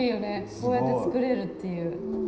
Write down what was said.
こうやって作れるっていう。